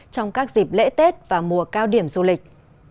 trong các dịp lễ tết và mùa cao điểm du lịch